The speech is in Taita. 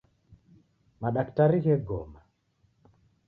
Madaktari ghegoma.